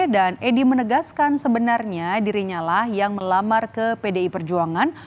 dan edi menegaskan sebenarnya dirinya lah yang melamar ke pdi perjuangan